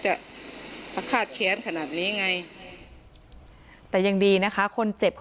จนใดเจ้าของร้านเบียร์ยิงใส่หลายนัดเลยค่ะ